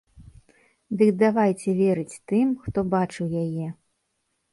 Дык давайце верыць тым, хто бачыў яе.